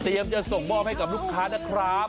จะส่งมอบให้กับลูกค้านะครับ